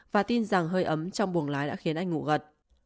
và tin rằng hơi ấm trong buồng lái đã khiến anh ngủ gật